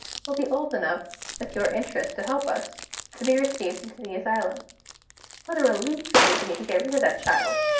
will be old enough (with your interest to help us) to be received into the asylum. What a relief it will be to get rid of that child!